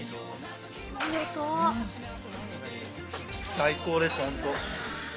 最高です、本当。